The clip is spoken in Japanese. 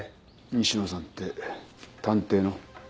西野さんって探偵の？